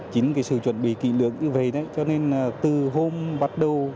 chính cái sự chuẩn bị kỳ lượng như vậy đấy cho nên từ hôm bắt đầu